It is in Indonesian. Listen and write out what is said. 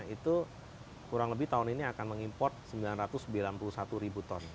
itu kurang lebih tahun ini akan mengimport sembilan ratus sembilan puluh satu ribu ton